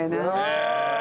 へえ。